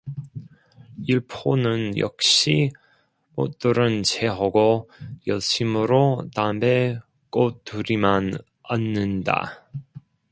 일포는 역시 못 들은 체하고 열심으로 담배 꼬투리만 얻는다.